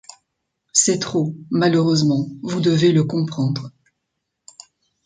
C'est trop, malheureusement, vous devez le comprendre.